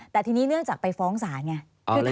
แต่ทีนี้เนื่องจากไปฟ้องศาลไง